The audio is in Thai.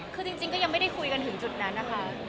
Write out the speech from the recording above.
คือจริงก็ยังไม่ได้คุยกันถึงจุดนั้นนะคะ